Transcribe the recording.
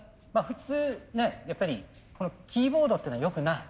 普通ねやっぱりこのキーボードっていうのはよくない。